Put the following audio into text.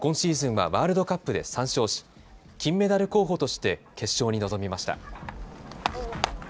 今シーズンはワールドカップで３勝し金メダリスト候補として決勝に臨みました。